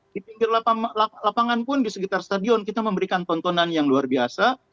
di pinggir lapangan pun di sekitar stadion kita memberikan tontonan yang luar biasa